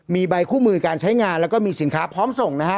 มีใบคู่มือการใช้งานแล้วก็มีสินค้าพร้อมส่งนะฮะ